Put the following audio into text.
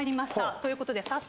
ということで早速。